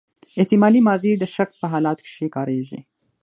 احتمالي ماضي د شک په حالت کښي کاریږي.